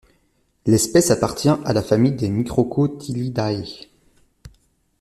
L'espèce appartient à la famille des Microcotylidae.